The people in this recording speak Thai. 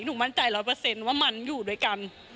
หนูมั่นใจ๑๐๐ว่ามันอยู่ด้วยกัน